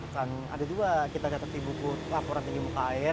kan ada juga kita dapat di buku laporan tinggi muka air